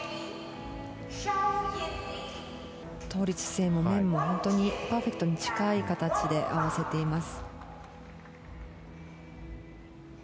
倒立性も面もパーフェクトに近い形で合わせています。